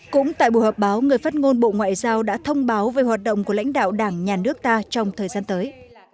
cũng tại buổi họp báo người phát ngôn bộ ngoại giao đã thông báo về hoạt động của lãnh đạo đảng nhà nước ta trong thời gian tới